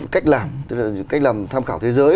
cách làm tức là cách làm tham khảo thế giới